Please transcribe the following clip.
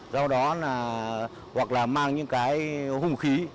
do đó là hoặc là mang những cái hung khí